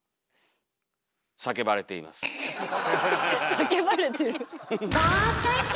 叫ばれてる？